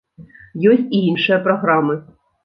Ёсць і іншыя праграмы.